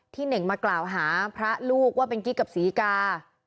เน่งมากล่าวหาพระลูกว่าเป็นกิ๊กกับศรีกา